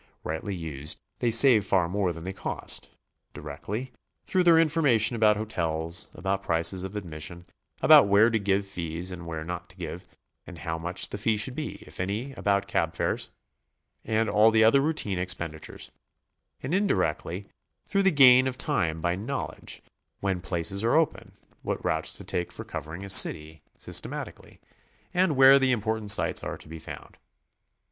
Rightly used, they save far more than they cost; directly, through their information about hotels, about prices of admission, about where to give fees and where not to give, and how much the fee should be, if any, about cab fares, and all the other routine expenditures; and indirectly, through the gain of time by knowing when places are open, what routes to take for covering a citJ' 244 GOING ABROAD? systematically, and where the important sights are to be found.